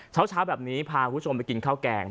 เช้าแบบนี้พาคุณผู้ชมไปกินข้าวแกง